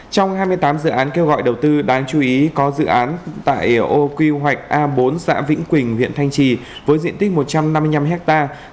trong hai mươi tám dự án kêu gọi đầu tư đáng chú ý có dự án tại ô quy hoạch a bốn xã vĩnh quỳnh huyện thanh trì với diện tích một trăm năm mươi năm hectare